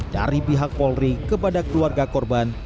dari pihak polri kepada keluarga korban